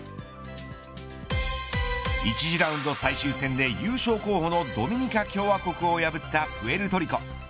１次ラウンド最終戦で優勝候補のドミニカ共和国を破ったプエルトリコ。